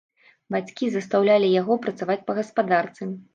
Бацькі застаўлялі яго працаваць па гаспадарцы.